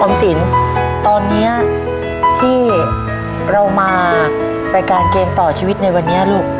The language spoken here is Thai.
สินตอนนี้ที่เรามารายการเกมต่อชีวิตในวันนี้ลูก